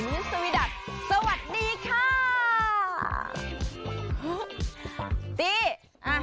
วันนี้สวีดักษ์สวัสดีค่ะ